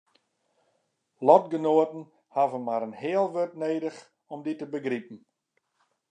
Lotgenoaten hawwe mar in heal wurd nedich om dy te begripen.